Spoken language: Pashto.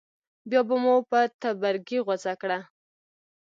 بیا به مو په تبرګي غوڅه کړه.